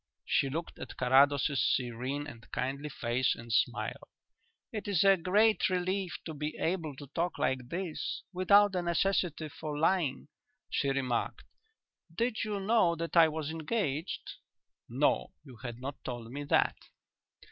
She looked at Carrados's serene and kindly face and smiled. "It is a great relief to be able to talk like this, without the necessity for lying," she remarked. "Did you know that I was engaged?" "No; you had not told me that."